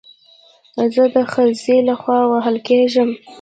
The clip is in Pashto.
زه د خځې له خوا وهل کېږم